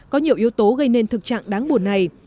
có nhiều yếu tố gây nên thực trạng đáng buồn này